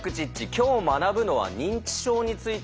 今日学ぶのは認知症についてです。